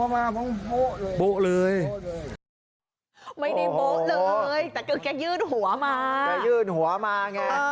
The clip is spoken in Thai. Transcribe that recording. ไม่ได้โบ๊ะเลยแต่ก็แกยื่นหัวมา